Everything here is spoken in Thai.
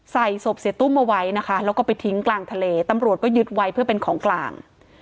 ศพเสียตุ้มเอาไว้นะคะแล้วก็ไปทิ้งกลางทะเลตำรวจก็ยึดไว้เพื่อเป็นของกลาง